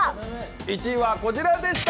１位は、こちらでした。